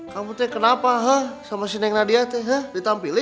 kamu kenapa sama si neng nadia ditampili